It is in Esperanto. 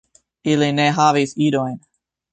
Ili ne havis idojn.